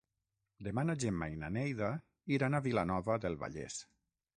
Demà na Gemma i na Neida iran a Vilanova del Vallès.